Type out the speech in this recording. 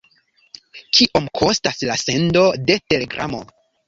Kiom kostas la sendo de telegramo?